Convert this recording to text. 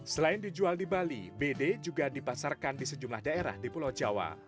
selain dijual di bali bd juga dipasarkan di sejumlah daerah di pulau jawa